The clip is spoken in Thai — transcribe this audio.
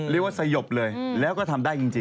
เรียกว่าสยบเลยแล้วก็ทำได้จริง